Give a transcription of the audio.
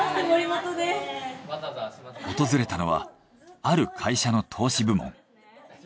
訪れたのはある会社の投資部門。